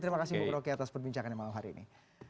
terima kasih bu broky atas perbincangan yang mau hari ini